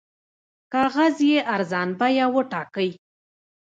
کاغذ یې ارزان بیه وټاکئ.